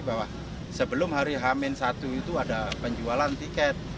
bahwa sebelum hari h satu itu ada penjualan tiket